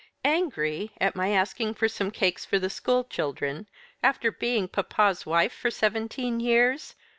"Angry at my asking for some cakes for the school children, after being papa's wife for seventeen years!